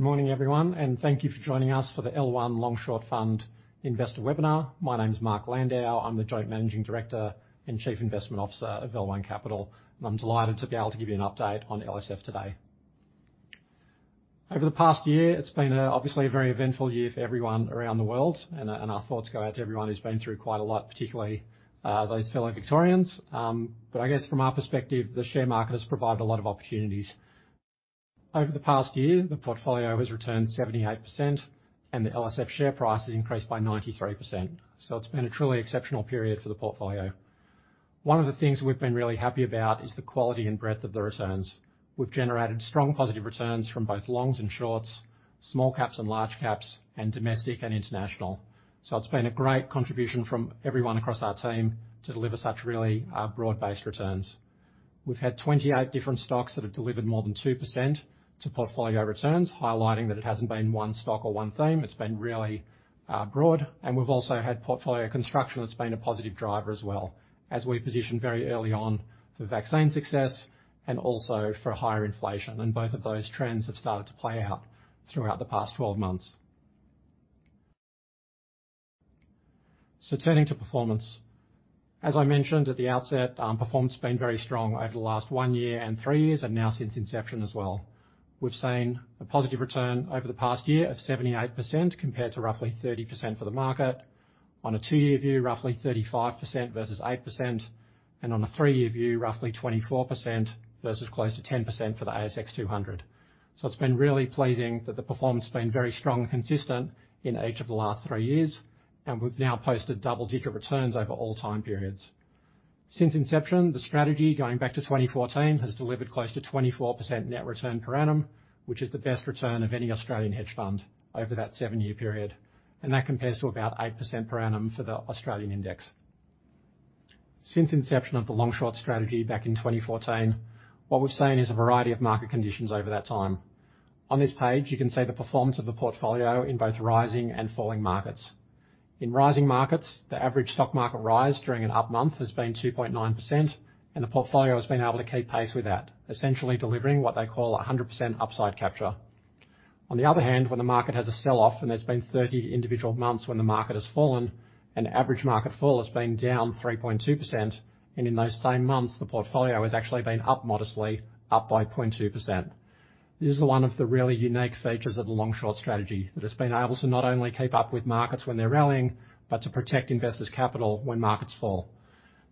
Good morning, everyone, and thank you for joining us for the L1 Long Short Fund Investor Webinar. My name is Mark Landau. I'm the Joint Managing Director and Chief Investment Officer of L1 Capital, and I'm delighted to be able to give you an update on LSF today. Over the past year, it's been obviously a very eventful year for everyone around the world, and our thoughts go out to everyone who's been through quite a lot, particularly those fellow Victorians. I guess from our perspective, the share market has provided a lot of opportunities. Over the past year, the portfolio has returned 78% and the LSF share price has increased by 93% so it's been a truly exceptional period for the portfolio. One of the things we've been really happy about is the quality and breadth of the returns. We've generated strong positive returns from both longs and shorts, small caps and large caps, and domestic and international. It's been a great contribution from everyone across our team to deliver such really, broad-based returns. We've had 28 different stocks that have delivered more than 2% to portfolio returns, highlighting that it hasn't been one stock or one theme. It's been really, broad. We've also had portfolio construction that's been a positive driver as well, as we positioned very early on for vaccine success and also for higher inflation. Both of those trends have started to play out throughout the past 12 months. Turning to performance. As I mentioned at the outset, performance has been very strong over the last one year and three years, and now since inception as well. We've seen a positive return over the past year of 78% compared to roughly 30% for the market. On a two-year view, roughly 35% versus 8%. On a three-year view, roughly 24% versus close to 10% for the ASX 200. It's been really pleasing that the performance has been very strong and consistent in each of the last three years, and we've now posted double-digit returns over all time periods. Since inception, the strategy going back to 2014 has delivered close to 24% net return per annum, which is the best return of any Australian hedge fund over that seven-year period. That compares to about 8% per annum for the Australian index. Since inception of the long short strategy back in 2014, what we've seen is a variety of market conditions over that time. On this page, you can see the performance of the portfolio in both rising and falling markets. In rising markets, the average stock market rise during an up month has been 2.9%, and the portfolio has been able to keep pace with that, essentially delivering what they call 100% upside capture. On the other hand, when the market has a sell-off and there's been 30 individual months when the market has fallen, an average market fall has been down 3.2%, and in those same months, the portfolio has actually been up modestly, up by 0.2%. This is one of the really unique features of the long short strategy, that it's been able to not only keep up with markets when they're rallying, but to protect investors' capital when markets fall.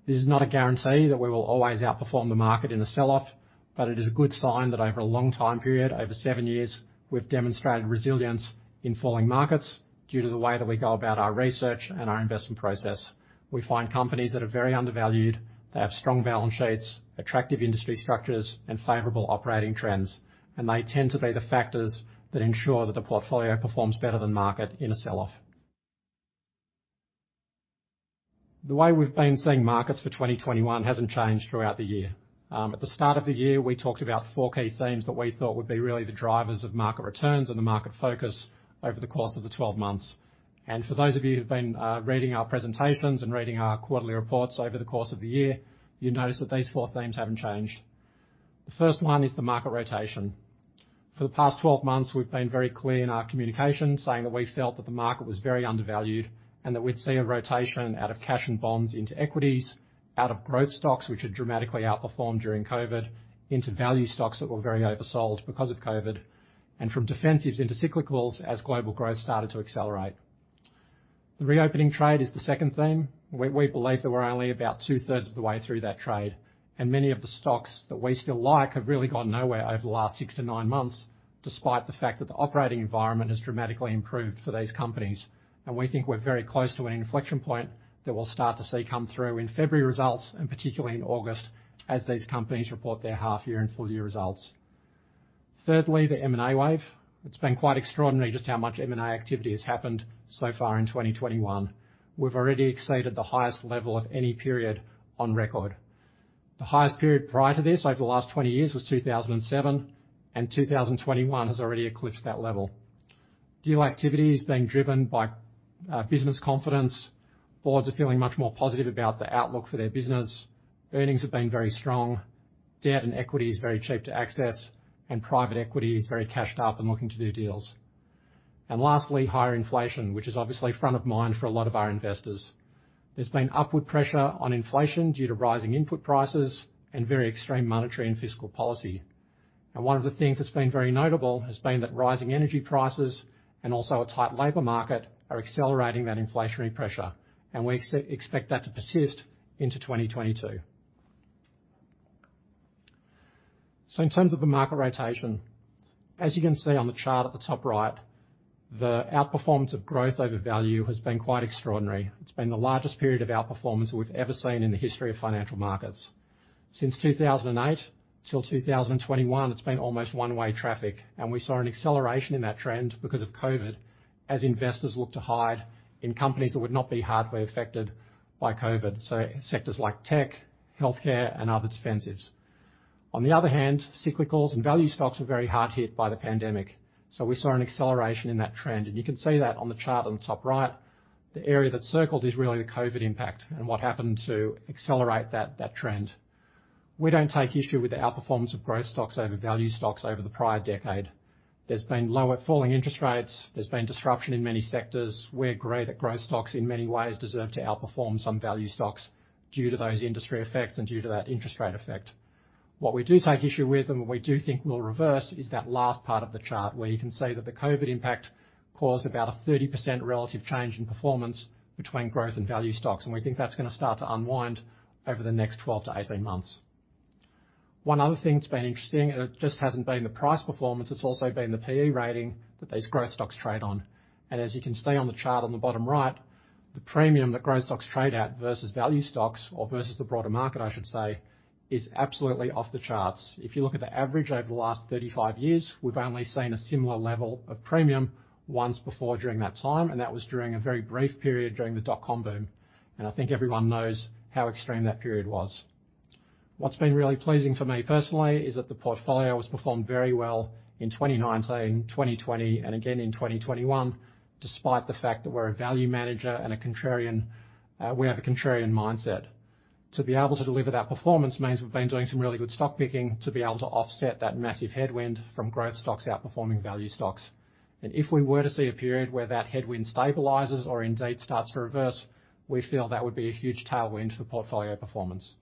This is not a guarantee that we will always outperform the market in a sell-off, but it is a good sign that over a long time period, over seven years, we've demonstrated resilience in falling markets due to the way that we go about our research and our investment process. We find companies that are very undervalued, they have strong balance sheets, attractive industry structures, and favorable operating trends, and they tend to be the factors that ensure that the portfolio performs better than market in a sell-off. The way we've been seeing markets for 2021 hasn't changed throughout the year. At the start of the year, we talked about four key themes that we thought would be really the drivers of market returns and the market focus over the course of the 12 months. For those of you who've been reading our presentations and reading our quarterly reports over the course of the year, you notice that these four themes haven't changed. The first one is the market rotation. For the past 12 months, we've been very clear in our communication, saying that we felt that the market was very undervalued and that we'd see a rotation out of cash and bonds into equities, out of growth stocks, which had dramatically outperformed during COVID, into value stocks that were very oversold because of COVID, and from defensives into cyclicals as global growth started to accelerate. The reopening trade is the second theme. We believe that we're only about two-thirds of the way through that trade, and many of the stocks that we still like have really gone nowhere over the last six to nine months, despite the fact that the operating environment has dramatically improved for these companies. We think we're very close to an inflection point that we'll start to see come through in February results, and particularly in August, as these companies report their half year and full year results. Thirdly, the M&A wave. It's been quite extraordinary just how much M&A activity has happened so far in 2021. We've already exceeded the highest level of any period on record. The highest period prior to this over the last 20 years was 2007, and 2021 has already eclipsed that level. Deal activity is being driven by business confidence. Boards are feeling much more positive about the outlook for their business. Earnings have been very strong. Debt and equity is very cheap to access, and private equity is very cashed up and looking to do deals. Lastly, higher inflation, which is obviously front of mind for a lot of our investors. There's been upward pressure on inflation due to rising input prices and very extreme monetary and fiscal policy. One of the things that's been very notable has been that rising energy prices and also a tight labor market are accelerating that inflationary pressure, and we expect that to persist into 2022. In terms of the market rotation, as you can see on the chart at the top right, the outperformance of growth over value has been quite extraordinary. It's been the largest period of outperformance we've ever seen in the history of financial markets. Since 2008 till 2021, it's been almost one-way traffic, and we saw an acceleration in that trend because of COVID as investors looked to hide in companies that would not be hardly affected by COVID, so sectors like tech, healthcare, and other defensives. On the other hand, cyclicals and value stocks were very hard hit by the pandemic. We saw an acceleration in that trend. You can see that on the chart on the top right, the area that's circled is really the COVID impact and what happened to accelerate that trend. We don't take issue with the outperformance of growth stocks over value stocks over the prior decade. There's been lower falling interest rates. There's been disruption in many sectors. We agree that growth stocks, in many ways, deserve to outperform some value stocks due to those industry effects and due to that interest rate effect. What we do take issue with, and what we do think will reverse, is that last part of the chart where you can see that the COVID impact caused about a 30% relative change in performance between growth and value stocks, and we think that's gonna start to unwind over the next 12-18 months. One other thing that's been interesting, and it just hasn't been the price performance, it's also been the PE rating that these growth stocks trade on. As you can see on the chart on the bottom right, the premium that growth stocks trade at versus value stocks or versus the broader market, I should say, is absolutely off the charts. If you look at the average over the last 35 years, we've only seen a similar level of premium once before during that time, and that was during a very brief period during the dot-com boom. I think everyone knows how extreme that period was. What's been really pleasing for me personally is that the portfolio has performed very well in 2019, 2020, and again in 2021, despite the fact that we're a value manager and a contrarian, we have a contrarian mindset. To be able to deliver that performance means we've been doing some really good stock picking to be able to offset that massive headwind from growth stocks outperforming value stocks. If we were to see a period where that headwind stabilizes or indeed starts to reverse, we feel that would be a huge tailwind for the portfolio performance.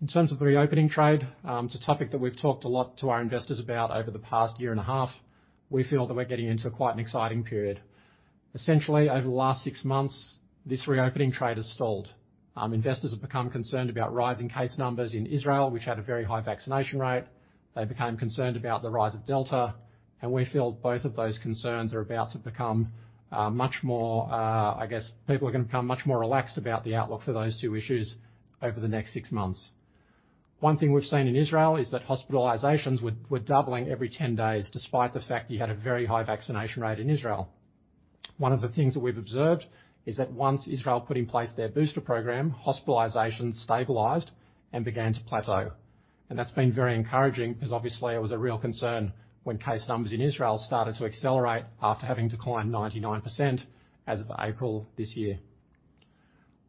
In terms of the reopening trade, it's a topic that we've talked a lot to our investors about over the past year and a half. We feel that we're getting into quite an exciting period. Essentially, over the last six months, this reopening trade has stalled. Investors have become concerned about rising case numbers in Israel, which had a very high vaccination rate. They became concerned about the rise of Delta, and we feel both of those concerns are about to become much more. I guess people are gonna become much more relaxed about the outlook for those two issues over the next six months. One thing we've seen in Israel is that hospitalizations were doubling every 10 days, despite the fact you had a very high vaccination rate in Israel. One of the things that we've observed is that once Israel put in place their booster program, hospitalizations stabilized and began to plateau. That's been very encouraging because obviously it was a real concern when case numbers in Israel started to accelerate after having declined 99% as of April this year.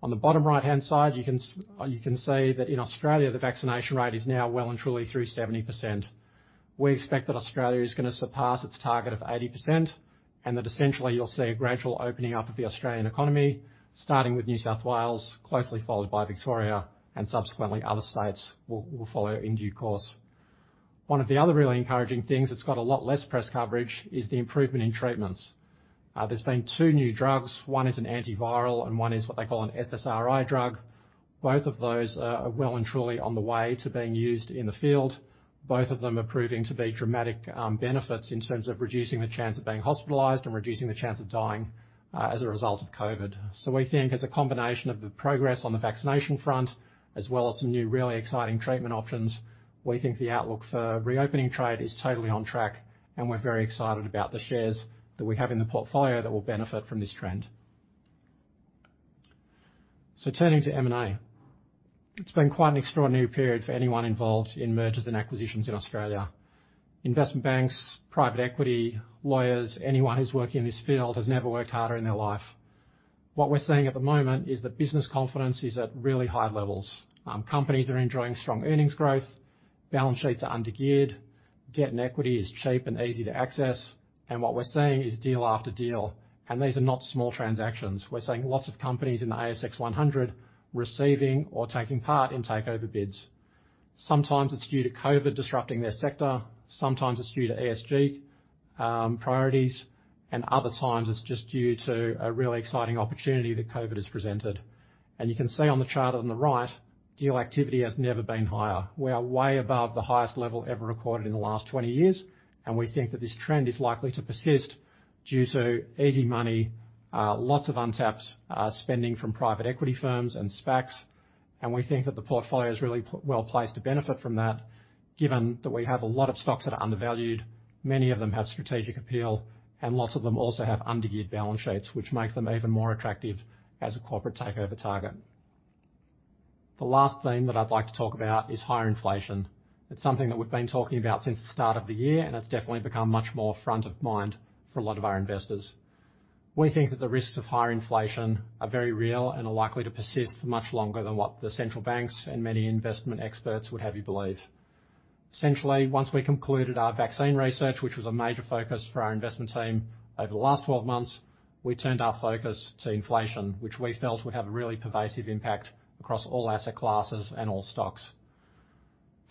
On the bottom right-hand side, you can see that in Australia the vaccination rate is now well and truly through 70%. We expect that Australia is gonna surpass its target of 80%, and that essentially you'll see a gradual opening up of the Australian economy, starting with New South Wales, closely followed by Victoria, and subsequently other states will follow in due course. One of the other really encouraging things that's got a lot less press coverage is the improvement in treatments. There's been two new drugs. One is an antiviral and one is what they call an SSRI drug. Both of those are well and truly on the way to being used in the field. Both of them are proving to be dramatic benefits in terms of reducing the chance of being hospitalized and reducing the chance of dying as a result of COVID. We think as a combination of the progress on the vaccination front, as well as some new really exciting treatment options, we think the outlook for reopening trade is totally on track, and we're very excited about the shares that we have in the portfolio that will benefit from this trend. Turning to M&A. It's been quite an extraordinary period for anyone involved in mergers and acquisitions in Australia. Investment banks, private equity, lawyers, anyone who's working in this field has never worked harder in their life. What we're seeing at the moment is that business confidence is at really high levels. Companies are enjoying strong earnings growth, balance sheets are under-geared, debt and equity is cheap and easy to access, and what we're seeing is deal after deal. These are not small transactions. We're seeing lots of companies in the ASX 200 receiving or taking part in takeover bids. Sometimes it's due to COVID disrupting their sector, sometimes it's due to ESG priorities, and other times it's just due to a really exciting opportunity that COVID has presented. You can see on the chart on the right, deal activity has never been higher. We are way above the highest level ever recorded in the last 20 years, and we think that this trend is likely to persist due to easy money, lots of untapped spending from private equity firms and SPACs, and we think that the portfolio is really well placed to benefit from that given that we have a lot of stocks that are undervalued, many of them have strategic appeal, and lots of them also have under-geared balance sheets, which makes them even more attractive as a corporate takeover target. The last theme that I'd like to talk about is higher inflation. It's something that we've been talking about since the start of the year, and it's definitely become much more front of mind for a lot of our investors. We think that the risks of higher inflation are very real and are likely to persist for much longer than what the central banks and many investment experts would have you believe. Essentially, once we concluded our vaccine research, which was a major focus for our investment team over the last 12 months, we turned our focus to inflation, which we felt would have a really pervasive impact across all asset classes and all stocks.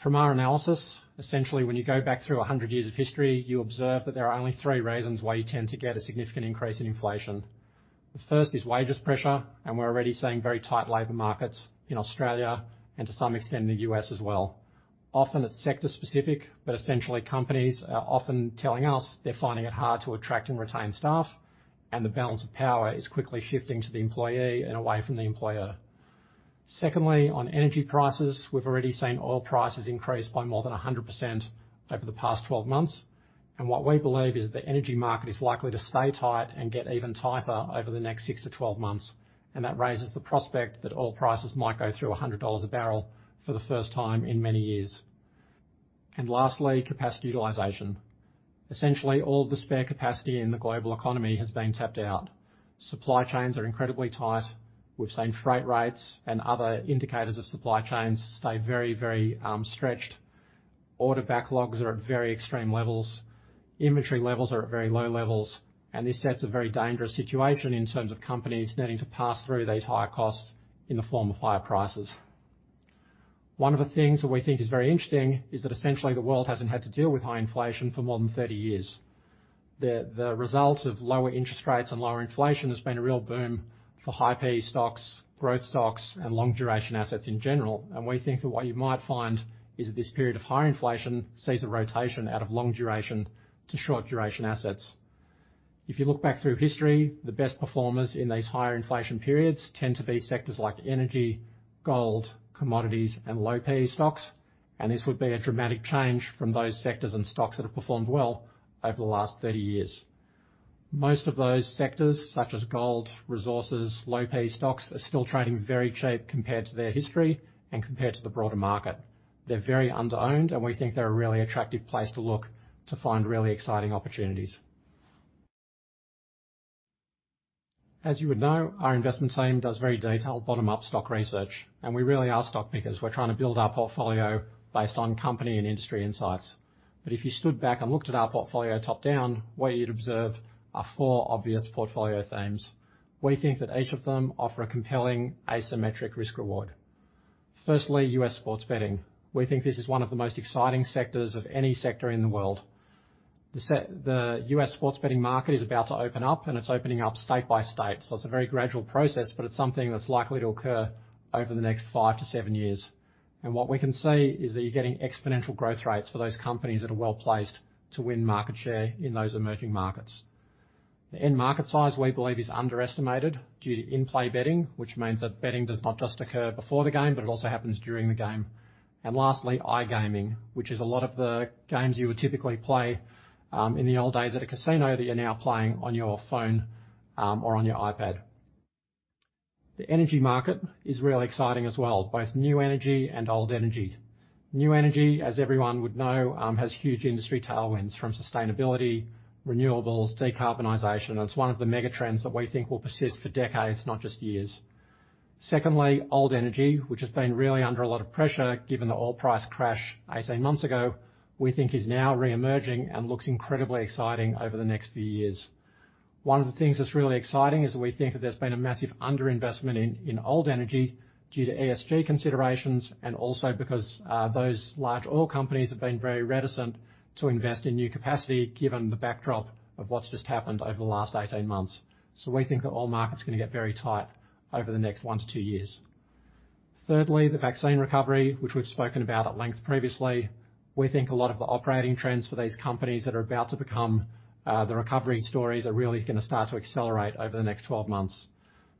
From our analysis, essentially when you go back through 100 years of history, you observe that there are only three reasons why you tend to get a significant increase in inflation. The first is wages pressure, and we're already seeing very tight labor markets in Australia, and to some extent the U.S. as well. Often it's sector specific, but essentially companies are often telling us they're finding it hard to attract and retain staff, and the balance of power is quickly shifting to the employee and away from the employer. Secondly, on energy prices, we've already seen oil prices increase by more than 100% over the past 12 months. What we believe is that the energy market is likely to stay tight and get even tighter over the next six to 12 months. That raises the prospect that oil prices might go through $100 a barrel for the first time in many years. Lastly, capacity utilization. Essentially all the spare capacity in the global economy has been tapped out. Supply chains are incredibly tight. We've seen freight rates and other indicators of supply chains stay very, very stretched. Order backlogs are at very extreme levels. Inventory levels are at very low levels. This sets a very dangerous situation in terms of companies needing to pass through these higher costs in the form of higher prices. One of the things that we think is very interesting is that essentially the world hasn't had to deal with high inflation for more than 30 years. The results of lower interest rates and lower inflation has been a real boom for high PE stocks, growth stocks, and long duration assets in general. We think that what you might find is that this period of high inflation sees a rotation out of long duration to short duration assets. If you look back through history, the best performers in these higher inflation periods tend to be sectors like energy, gold, commodities, and low PE stocks. This would be a dramatic change from those sectors and stocks that have performed well over the last 30 years. Most of those sectors, such as gold, resources, low PE stocks, are still trading very cheap compared to their history and compared to the broader market. They're very underowned, and we think they're a really attractive place to look to find really exciting opportunities. As you would know, our investment team does very detailed bottom-up stock research, and we really are stock pickers. We're trying to build our portfolio based on company and industry insights. If you stood back and looked at our portfolio top-down, what you'd observe are four obvious portfolio themes. We think that each of them offer a compelling asymmetric risk reward. Firstly, U.S. sports betting. We think this is one of the most exciting sectors of any sector in the world. The U.S. sports betting market is about to open up, and it's opening up state by state, so it's a very gradual process, but it's something that's likely to occur over the next five to seven years. What we can see is that you're getting exponential growth rates for those companies that are well-placed to win market share in those emerging markets. The end market size, we believe, is underestimated due to in-play betting, which means that betting does not just occur before the game, but it also happens during the game. Lastly, iGaming, which is a lot of the games you would typically play in the old days at a casino that you're now playing on your phone or on your iPad. The energy market is really exciting as well, both new energy and old energy. New energy, as everyone would know, has huge industry tailwinds from sustainability, renewables, decarbonization. It's one of the mega trends that we think will persist for decades, not just years. Secondly, old energy, which has been really under a lot of pressure given the oil price crash 18 months ago, we think is now reemerging and looks incredibly exciting over the next few years. One of the things that's really exciting is we think that there's been a massive underinvestment in old energy due to ESG considerations and also because those large oil companies have been very reticent to invest in new capacity given the backdrop of what's just happened over the last 18 months. We think the oil market's gonna get very tight over the next one to two years. Thirdly, the vaccine recovery, which we've spoken about at length previously. We think a lot of the operating trends for these companies that are about to become the recovery stories are really gonna start to accelerate over the next 12 months.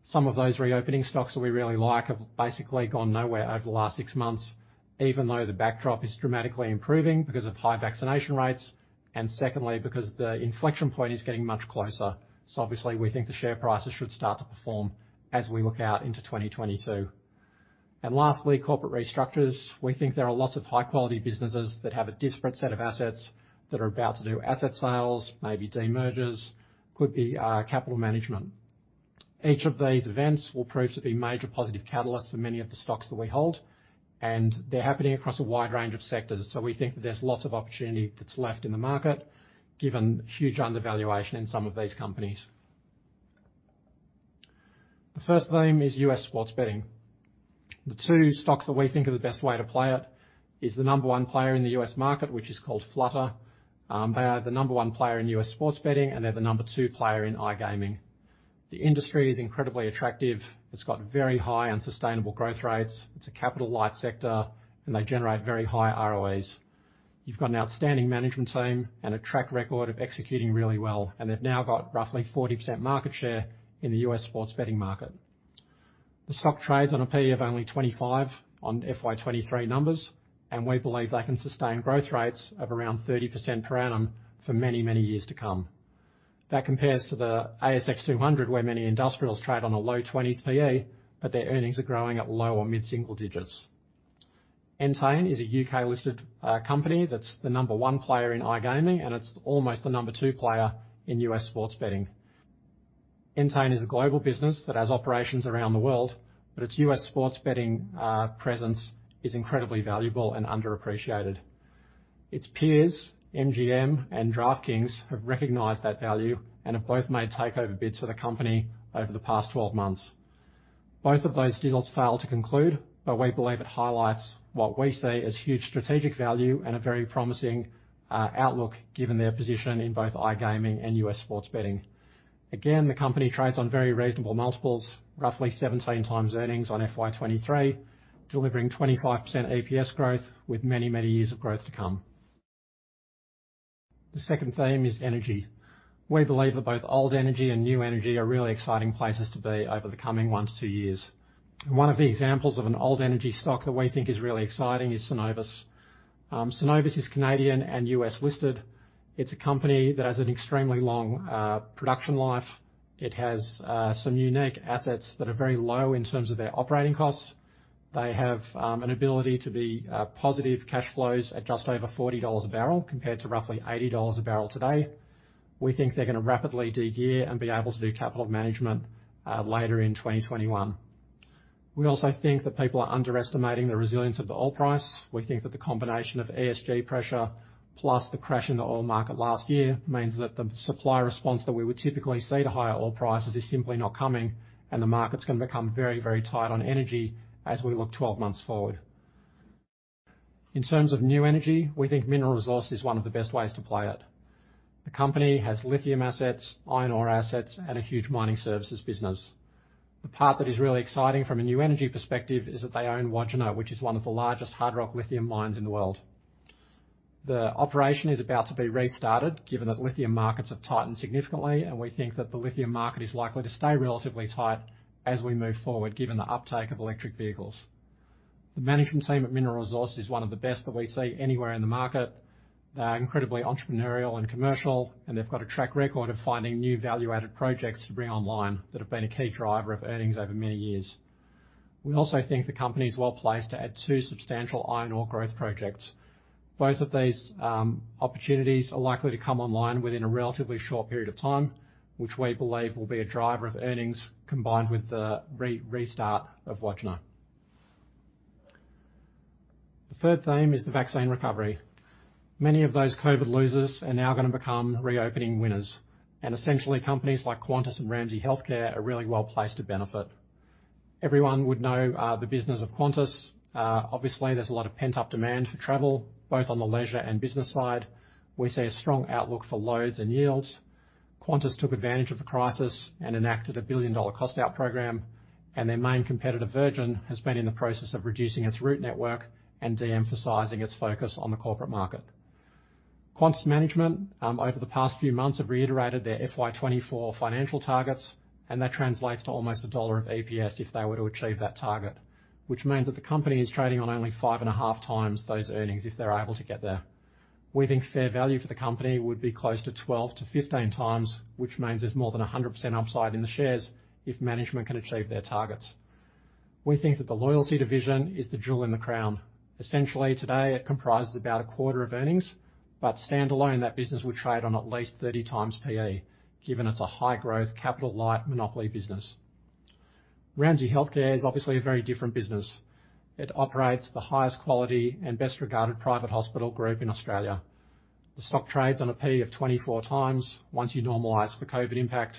Some of those reopening stocks that we really like have basically gone nowhere over the last six months, even though the backdrop is dramatically improving because of high vaccination rates and secondly, because the inflection point is getting much closer. Obviously, we think the share prices should start to perform as we look out into 2022. Lastly, corporate restructures. We think there are lots of high quality businesses that have a disparate set of assets that are about to do asset sales, maybe demergers, could be capital management. Each of these events will prove to be major positive catalysts for many of the stocks that we hold, and they're happening across a wide range of sectors so we think that there's lots of opportunity that's left in the market, given huge undervaluation in some of these companies. The first theme is U.S. sports betting. The two stocks that we think are the best way to play it is the number one player in the U.S. market, which is called Flutter. They are the number one player in U.S. sports betting, and they're the number two player in iGaming. The industry is incredibly attractive. It's got very high and sustainable growth rates. It's a capital light sector, and they generate very high ROEs. You've got an outstanding management team and a track record of executing really well, and they've now got roughly 40% market share in the U.S. sports betting market. The stock trades on a P/E of only 25 on FY 2023 numbers, and we believe they can sustain growth rates of around 30% per annum for many, many years to come. That compares to the ASX 200, where many industrials trade on a low 20s P/E, but their earnings are growing at low or mid-single digits. Entain is a U.K.-listed company that's the number one player in iGaming, and it's almost the number two player in U.S. sports betting. Entain is a global business that has operations around the world, but its U.S. sports betting presence is incredibly valuable and underappreciated. Its peers, MGM and DraftKings, have recognized that value and have both made takeover bids for the company over the past 12 months. Both of those deals failed to conclude, but we believe it highlights what we see as huge strategic value and a very promising outlook given their position in both iGaming and U.S. sports betting. Again, the company trades on very reasonable multiples, roughly 17x earnings on FY 2023, delivering 25% EPS growth with many, many years of growth to come. The second theme is energy. We believe that both old energy and new energy are really exciting places to be over the coming one to two years. One of the examples of an old energy stock that we think is really exciting is Cenovus. Cenovus is Canadian and U.S. listed. It’s a company that has an extremely long production life. It has some unique assets that are very low in terms of their operating costs. They have an ability to be positive cash flows at just over $40 a barrel compared to roughly $80 a barrel today. We think they're gonna rapidly de-gear and be able to do capital management later in 2021. We also think that people are underestimating the resilience of the oil price. We think that the combination of ESG pressure plus the crash in the oil market last year means that the supply response that we would typically see to higher oil prices is simply not coming, and the market's gonna become very, very tight on energy as we look 12 months forward. In terms of new energy, we think Mineral Resources is one of the best ways to play it. The company has lithium assets, iron ore assets, and a huge mining services business. The part that is really exciting from a new energy perspective is that they own Wodgina, which is one of the largest hard rock lithium mines in the world. The operation is about to be restarted given that lithium markets have tightened significantly, and we think that the lithium market is likely to stay relatively tight as we move forward, given the uptake of electric vehicles. The management team at Mineral Resources is one of the best that we see anywhere in the market. They are incredibly entrepreneurial and commercial, and they've got a track record of finding new value-added projects to bring online that have been a key driver of earnings over many years. We also think the company is well-placed to add two substantial iron ore growth projects. Both of these opportunities are likely to come online within a relatively short period of time, which we believe will be a driver of earnings combined with the restart of Wodgina. The third theme is the vaccine recovery. Many of those COVID losers are now gonna become reopening winners, and essentially, companies like Qantas and Ramsay Health Care are really well placed to benefit. Everyone would know the business of Qantas. Obviously, there's a lot of pent-up demand for travel, both on the leisure and business side. We see a strong outlook for loads and yields. Qantas took advantage of the crisis and enacted a 1 billion dollar cost out program, and their main competitor, Virgin, has been in the process of reducing its route network and de-emphasizing its focus on the corporate market. Qantas management over the past few months have reiterated their FY 2024 financial targets, and that translates to almost AUD 1 of EPS if they were to achieve that target, which means that the company is trading on only 5.5x those earnings if they're able to get there. We think fair value for the company would be close to 12x-15x, which means there's more than 100% upside in the shares if management can achieve their targets. We think that the loyalty division is the jewel in the crown. Essentially, today, it comprises about a quarter of earnings, but standalone, that business would trade on at least 30x PE, given it's a high-growth, capital-light monopoly business. Ramsay Health Care is obviously a very different business. It operates the highest quality and best-regarded private hospital group in Australia. The stock trades on a PE of 24x once you normalize for COVID impact.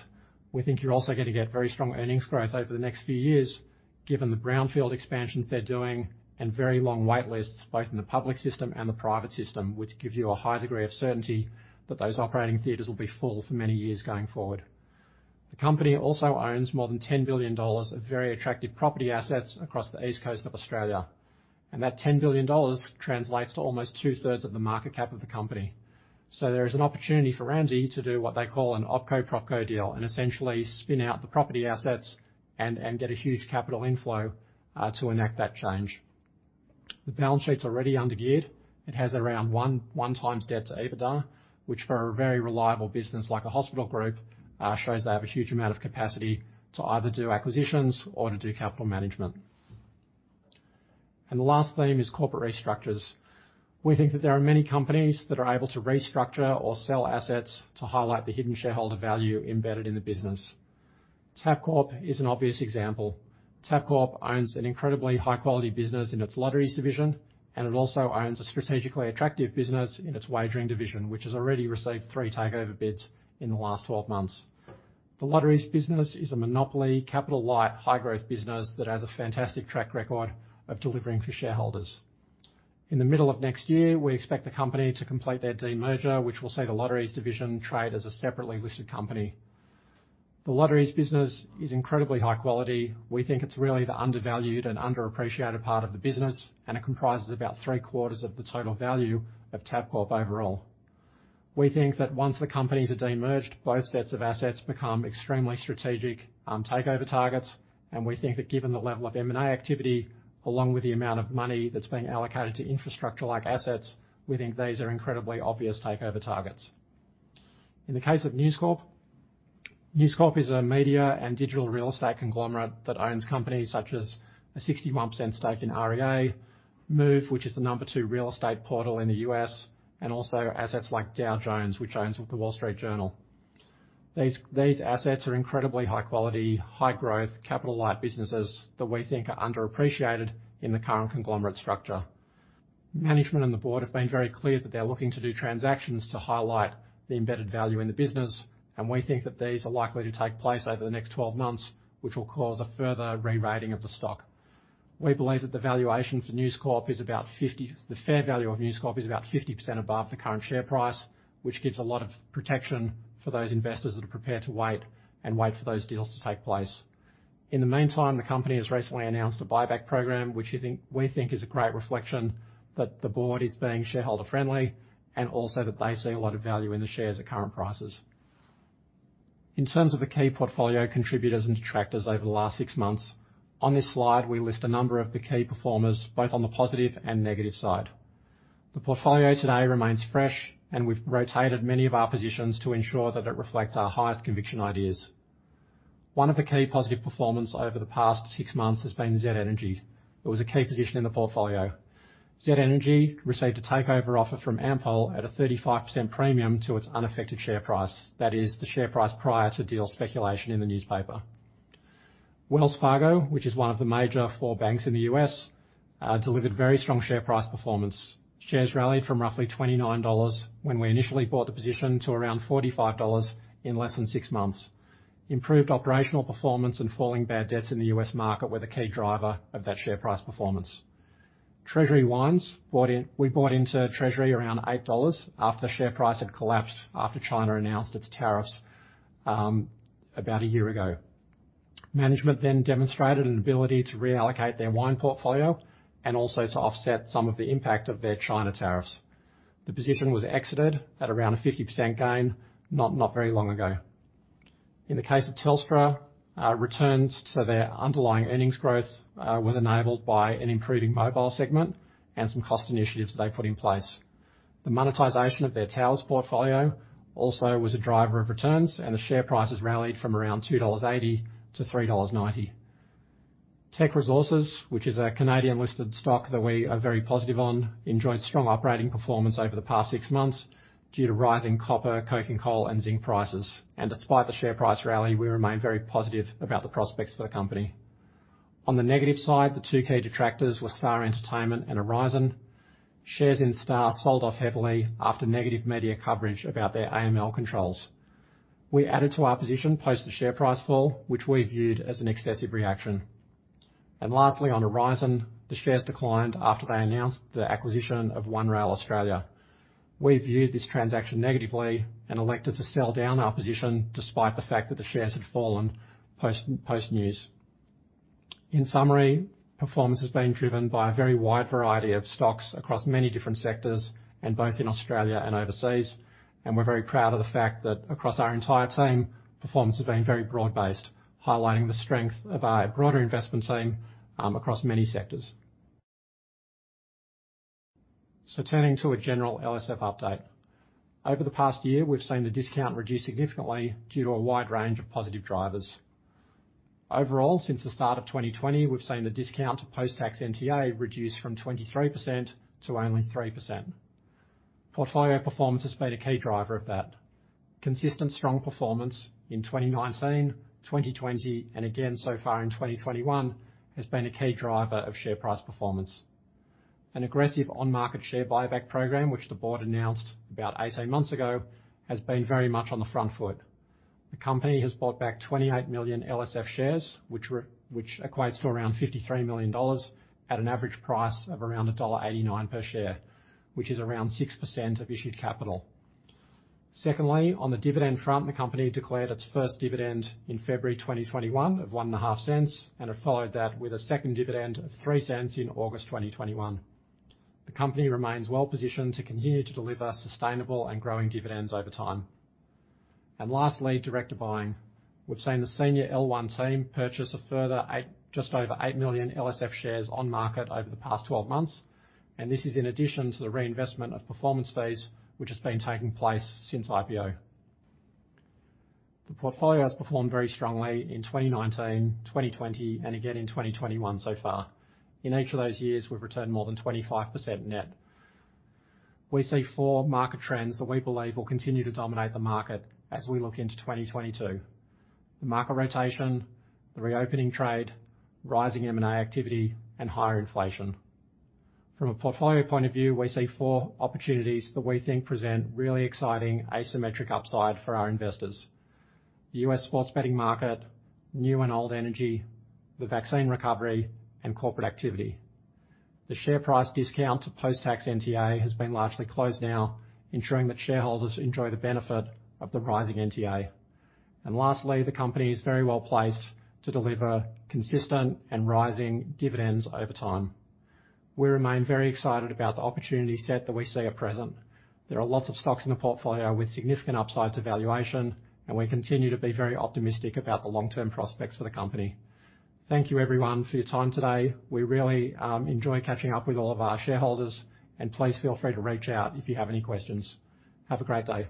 We think you're also gonna get very strong earnings growth over the next few years, given the brownfield expansions they're doing and very long wait lists, both in the public system and the private system, which gives you a high degree of certainty that those operating theaters will be full for many years going forward. The company also owns more than 10 billion dollars of very attractive property assets across the east coast of Australia, and that 10 billion dollars translates to almost 2/3 of the market cap of the company. There is an opportunity for Ramsay to do what they call an opco propco deal and essentially spin out the property assets and get a huge capital inflow to enact that change. The balance sheet's already under-geared. It has around 1x debt to EBITDA, which for a very reliable business like a hospital group shows they have a huge amount of capacity to either do acquisitions or to do capital management. The last theme is corporate restructures. We think that there are many companies that are able to restructure or sell assets to highlight the hidden shareholder value embedded in the business. Tabcorp is an obvious example. Tabcorp owns an incredibly high-quality business in its Lotteries division, and it also owns a strategically attractive business in its Wagering division, which has already received three takeover bids in the last 12 months. The Lotteries business is a monopoly, capital-light, high-growth business that has a fantastic track record of delivering for shareholders. In the middle of next year, we expect the company to complete their demerger, which will see the Lotteries division trade as a separately listed company. The Lotteries business is incredibly high quality. We think it's really the undervalued and underappreciated part of the business, and it comprises about three-quarters of the total value of Tabcorp overall. We think that once the companies are demerged, both sets of assets become extremely strategic, takeover targets, and we think that given the level of M&A activity, along with the amount of money that's being allocated to infrastructure-like assets, we think these are incredibly obvious takeover targets. In the case of News Corp, News Corp is a media and digital real estate conglomerate that owns companies such as a 61% stake in REA, Move, which is the number two real estate portal in the U.S., and also assets like Dow Jones, which owns The Wall Street Journal. These assets are incredibly high quality, high growth, capital-light businesses that we think are underappreciated in the current conglomerate structure. Management and the board have been very clear that they're looking to do transactions to highlight the embedded value in the business, and we think that these are likely to take place over the next 12 months, which will cause a further rerating of the stock. We believe that the valuation for News Corp is about 50. The fair value of News Corp is about 50% above the current share price, which gives a lot of protection for those investors that are prepared to wait for those deals to take place. In the meantime, the company has recently announced a buyback program, which we think is a great reflection that the board is being shareholder-friendly and also that they see a lot of value in the shares at current prices. In terms of the key portfolio contributors and detractors over the last six months, on this slide, we list a number of the key performers, both on the positive and negative side. The portfolio today remains fresh, and we've rotated many of our positions to ensure that it reflects our highest conviction ideas. One of the key positive performance over the past six months has been Z Energy. It was a key position in the portfolio. Z Energy received a takeover offer from Ampol at a 35% premium to its unaffected share price. That is the share price prior to deal speculation in the newspaper. Wells Fargo, which is one of the major four banks in the U.S., delivered very strong share price performance. Shares rallied from roughly $29 when we initially bought the position to around $45 in less than six months. Improved operational performance and falling bad debts in the U.S. market were the key driver of that share price performance. We bought into Treasury around eight dollars after share price had collapsed after China announced its tariffs, about a year ago. Management then demonstrated an ability to reallocate their wine portfolio and also to offset some of the impact of their China tariffs. The position was exited at around a 50% gain not very long ago. In the case of Telstra, returns to their underlying earnings growth was enabled by an improving mobile segment and some cost initiatives they put in place. The monetization of their towers portfolio also was a driver of returns, and the share prices rallied from around 2.80 dollars to 3.90 dollars. Teck Resources, which is a Canadian-listed stock that we are very positive on, enjoyed strong operating performance over the past six months due to rising copper, coking coal, and zinc prices. Despite the share price rally, we remain very positive about the prospects for the company. On the negative side, the two key detractors were Star Entertainment and Aurizon. Shares in Star sold off heavily after negative media coverage about their AML controls. We added to our position post the share price fall, which we viewed as an excessive reaction. Lastly, on Aurizon, the shares declined after they announced the acquisition of One Rail Australia. We viewed this transaction negatively and elected to sell down our position despite the fact that the shares had fallen post-news. In summary, performance has been driven by a very wide variety of stocks across many different sectors and both in Australia and overseas. We're very proud of the fact that across our entire team, performance has been very broad-based, highlighting the strength of our broader investment team across many sectors. Turning to a general LSF update. Over the past year, we've seen the discount reduce significantly due to a wide range of positive drivers. Overall, since the start of 2020, we've seen the discount to post-tax NTA reduce from 23% to only 3%. Portfolio performance has been a key driver of that. Consistent strong performance in 2019, 2020, and again, so far in 2021, has been a key driver of share price performance. An aggressive on-market share buyback program, which the board announced about 18 months ago, has been very much on the front foot. The company has bought back 28 million LSF shares, which equates to around 53 million dollars at an average price of around dollar 1.89 per share, which is around 6% of issued capital. Secondly, on the dividend front, the company declared its first dividend in February 2021 of 0.015, and it followed that with a second dividend of 0.03 in August 2021. The company remains well-positioned to continue to deliver sustainable and growing dividends over time. Lastly, director buying. We've seen the senior L1 team purchase a further just over eight million LSF shares on market over the past 12 months, and this is in addition to the reinvestment of performance fees, which has been taking place since IPO. The portfolio has performed very strongly in 2019, 2020, and again in 2021 so far. In each of those years, we've returned more than 25% net. We see four market trends that we believe will continue to dominate the market as we look into 2022, the market rotation, the reopening trade, rising M&A activity, and higher inflation. From a portfolio point of view, we see four opportunities that we think present really exciting asymmetric upside for our investors, the U.S. sports betting market, new and old energy, the vaccine recovery, and corporate activity. The share price discount to post-tax NTA has been largely closed now, ensuring that shareholders enjoy the benefit of the rising NTA. Lastly, the company is very well placed to deliver consistent and rising dividends over time. We remain very excited about the opportunity set that we see at present. There are lots of stocks in the portfolio with significant upside to valuation, and we continue to be very optimistic about the long-term prospects for the company. Thank you, everyone, for your time today. We really enjoy catching up with all of our shareholders, and please feel free to reach out if you have any questions. Have a great day.